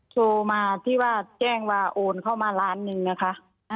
โทรมาที่ว่าแจ้งว่าโอนเข้ามาล้านหนึ่งนะคะ